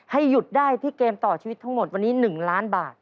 หยุดได้ที่เกมต่อชีวิตทั้งหมดวันนี้๑ล้านบาท